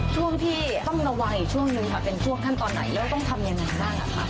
ช่วงที่ต้องระวังอีกช่วงหนึ่งค่ะเป็นช่วงขั้นตอนไหนแล้วต้องทำยังไงบ้างคะ